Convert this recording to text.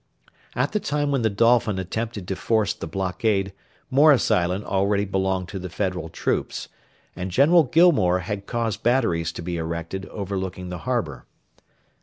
At the time when the Dolphin attempted to force the blockade Morris Island already belonged to the Federal troops, and General Gillmore had caused batteries to be erected overlooking the harbour.